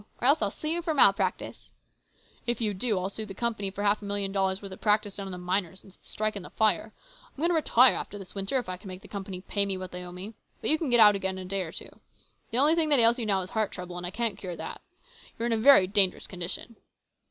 Or else I'll sue you for malpractice !"" If you do, I'll sue the company for half a million dollars' worth of practice done on the miners since the strike and the fire. I'm going to retire after thi winter if I can make the company pay me what they owe inc. But you can get out again in a day or two. The only thing that ails you now is heart trouble, and I can't cure that. You are in a very dangerous condition."